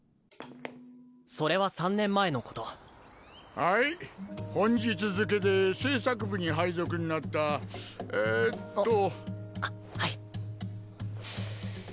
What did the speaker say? それは３年前のことはい本日付けで制作部に配属になったえっとあっはいすぅ